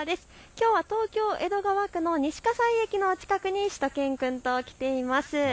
きょうは東京江戸川区の西葛西駅の近くにしゅと犬くんと来ています。